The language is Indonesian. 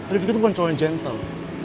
rifki tuh bukan cowok yang gentle